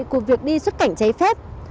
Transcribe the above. của việc đi xuất cảnh trái phép